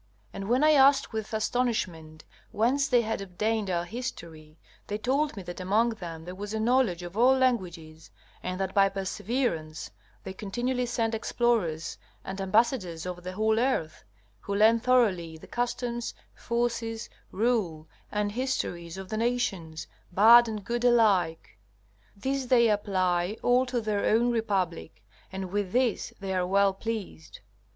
And when I asked with astonishment whence they had obtained our history, they told me that among them there was a knowledge of all languages, and that by perseverance they continually send explorers and ambassadors over the whole earth, who learn thoroughly the customs, forces, rule and histories of the nations, bad and good alike. These they apply all to their own republic, and with this they are well pleased.